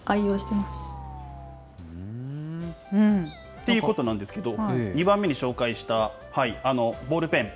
ということなんですけど、２番目に紹介した、あのボールペン。